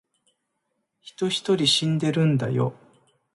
人一人死んでるんだよ